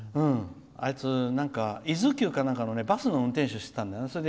あいつ、伊豆急かなんかのバスの運転手、してたんだよな。